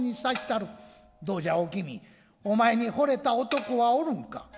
どうじゃおきみお前に惚れた男はおるんか」。